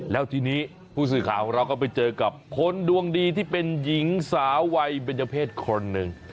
แล้วทีนี้ผู้สื่อข่าวของเราก็ไปเจอกับคนดวงดีที่เป็นหญิงสาววัยเบญเจ้าเพศคนหนึ่ง